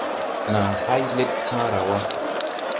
Nàa hay leɗ kããra wà.